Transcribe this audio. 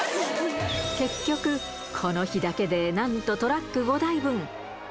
結局、この日だけで、なんとトラック５台分。